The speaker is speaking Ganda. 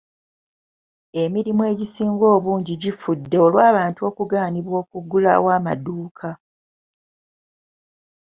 Emirimu egisinga obungi gifudde olw'abantu okugaanibwa okuggulawo amadduuka.